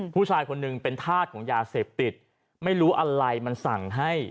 ผู้ชายคนหนึ่งเป็นธาตุของยาเสพติดไม่รู้อะไรมันสั่งให้